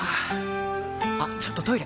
あっちょっとトイレ！